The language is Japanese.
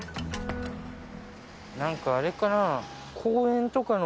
何かあれかな。